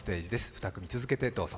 ２組続けてどうぞ。